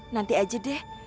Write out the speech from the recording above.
nanti aja deh